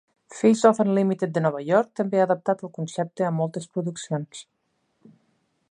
Face Off Unlimited de Nova York també ha adaptat el concepte a moltes produccions.